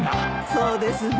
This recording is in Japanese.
そうですね。